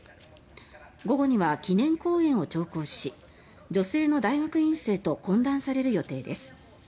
午後には記念講演を聴講し女性の大学院生と懇談される予定です。